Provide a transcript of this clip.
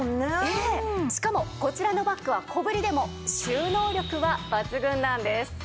しかもこちらのバッグは小ぶりでも収納力は抜群なんです。